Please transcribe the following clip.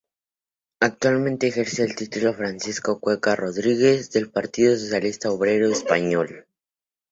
Actualmente ejerce el título Francisco Cuenca Rodríguez, del Partido Socialista Obrero Español.